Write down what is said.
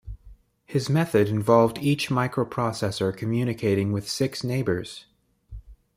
His method involved each microprocessor communicating with six neighbours.